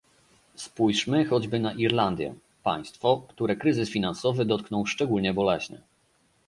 Spójrzmy choćby na Irlandię, państwo, które kryzys finansowy dotknął szczególnie boleśnie